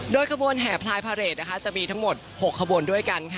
โดยขบวนแห่พลายพาเรทจะมีทั้งหมด๖ขบวนด้วยกันค่ะ